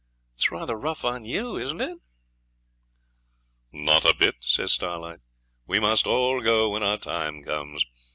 It's rather rough on you, isn't it?' 'Not a bit,' says Starlight; 'we must all go when our time comes.